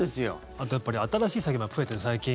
あと、やっぱり新しい詐欺も増えてる、最近。